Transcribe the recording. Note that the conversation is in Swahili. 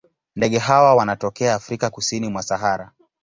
Ndege hawa wanatokea Afrika kusini mwa Sahara.